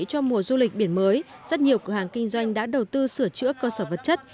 cho mùa du lịch biển mới rất nhiều cửa hàng kinh doanh đã đầu tư sửa chữa cơ sở vật chất